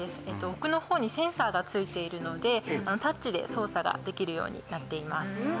奥の方にセンサーがついているのでタッチで操作ができるようになっています